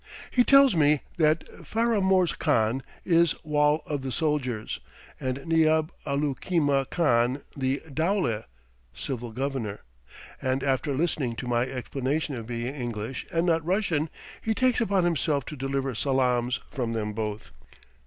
He tells me that Faramorz Khan is "Wall of the soldiers" and Niab Alookimah Khan the "dowleh" (civil governor), and after listening to my explanation of being English and not Russian, he takes upon himself to deliver salaams from them both.